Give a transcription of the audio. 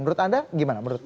menurut anda gimana menurut